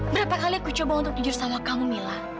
berapa kali aku coba untuk jujur salah kamu mila